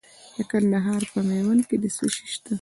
د کندهار په میوند کې څه شی شته؟